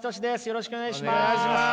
よろしくお願いします。